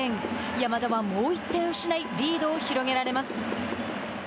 山田はもう一点失いリードを広げられます。